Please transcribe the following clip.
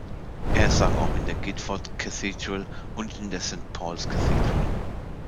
Er sang auch in der Guildford Cathedral und in der St Paul’s Cathedral.